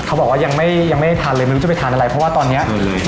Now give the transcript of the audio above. เขาบอกว่ายังไม่ยังไม่ได้ทานเลยไม่รู้จะไปทานอะไรเพราะว่าตอนเนี้ย